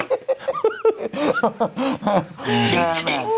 จริง